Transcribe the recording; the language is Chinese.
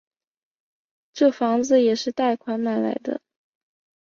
这房子也是贷款买来的